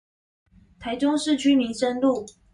台中市區民生路